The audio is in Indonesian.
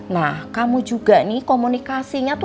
nah kamu juga nih komunikasinya tuh